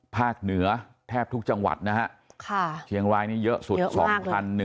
ภาคเหนือแทบทุกจังหวัดนะฮะเคียงรายนี่เยอะสุด๒๑๗๔คนนะ